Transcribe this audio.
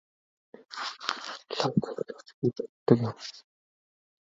Лав чадна гэж би боддог юм.